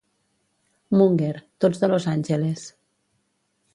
Munger, tots de Los Angeles.